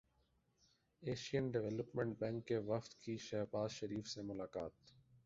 Asian development bank کے وفد کی شہباز شریف سے ملاقات